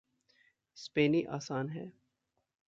स्पेनी आसान है।